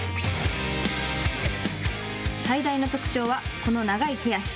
最大の特長はこの長い手足。